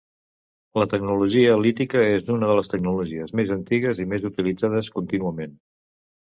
La tecnologia lítica és una de les tecnologies més antigues i més utilitzades contínuament.